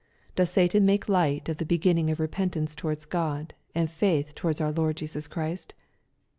Does Satan make light of the beginnings of repentance towards God, and faith towards our Lord Jesus Christ